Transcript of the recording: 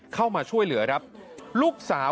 เข้ามาช่วยเหลือครับลูกสาว